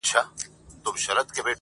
خالق چي د ژوند ټوله عبادت خاورې ايرې کړ~